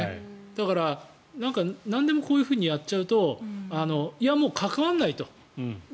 だから、なんでもこういうふうにやっちゃうといや、もう関わらないと。